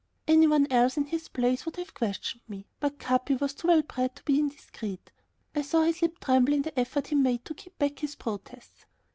Any one else in his place would have questioned me, but Capi was too well bred to be indiscreet. I saw his lip tremble in the effort he made to keep back his protests.